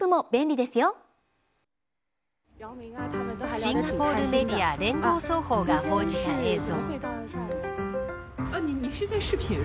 シンガポールメディア聯合早報が報じた映像。